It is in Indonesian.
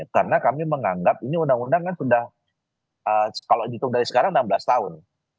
karena kami menganggap ini undang undang kan sudah kalau ditunggu dari sekarang enam belas tahun